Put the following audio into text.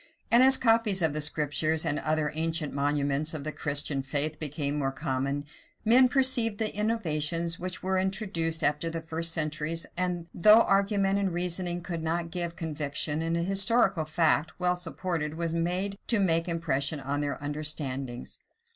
And as copies of the Scriptures and other ancient monuments of the Christian faith became more common, men perceived the innovations which were introduced after the first centuries; and though argument and reasoning could not give conviction, an historical fact, well supported, was able to make impression on their understandings.